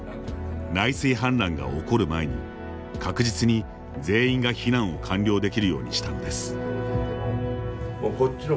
内水氾濫が起こる前に確実に全員が避難を完了できるようにしたのです。